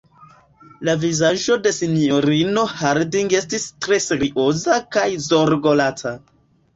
La vizaĝo de sinjorino Harding estis tre serioza kaj zorgolaca.